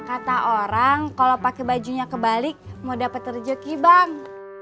kata orang kalau pakai bajunya kebalik mau dapat rezeki bang